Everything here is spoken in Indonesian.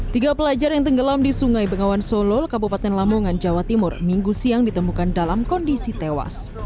tiga pelajar yang tenggelam di sungai bengawan solo kabupaten lamongan jawa timur minggu siang ditemukan dalam kondisi tewas